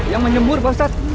yang menyembur pak ustadz